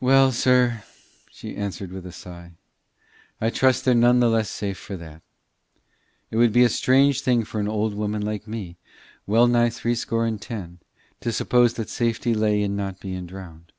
"Well, sir," she answered, with a sigh, "I trust they're none the less safe for that. It would be a strange thing for an old woman like me, well nigh threescore and ten, to suppose that safety lay in not being drownded.